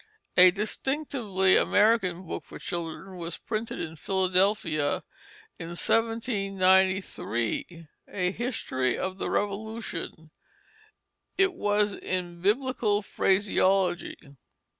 A distinctly American book for children was printed in Philadelphia in 1793, a History of the Revolution. It was in Biblical phraseology.